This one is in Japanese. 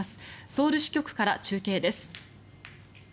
ソウル支局から中継です。